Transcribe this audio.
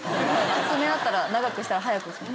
爪あったら長くしたら早く。